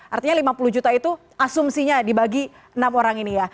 artinya lima puluh juta itu asumsinya dibagi enam orang ini ya